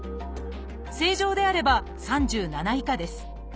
正常であれば３７以下です。